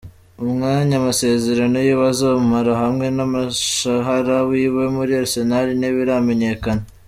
Umwanya amasezerano yiwe azomara hamwe n'umushahara wiwe muri Arsenal ntibiramenyekana.